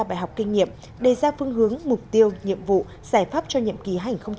bài học kinh nghiệm đề ra phương hướng mục tiêu nhiệm vụ giải pháp cho nhiệm kỳ hai nghìn hai mươi hai nghìn hai mươi năm